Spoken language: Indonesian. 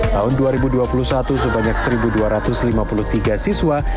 tahun dua ribu dua puluh satu sebanyak satu dua ratus lima puluh tiga siswa